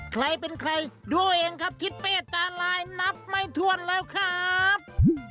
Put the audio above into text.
ใครเป็นใครดูเองครับทิศเป้ตาลายนับไม่ถ้วนแล้วครับ